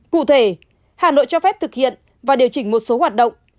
cụ thể hà nội cho phép thực hiện và điều chỉnh một số hoạt động